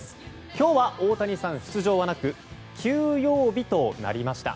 今日は大谷さん、出場はなく休養日となりました。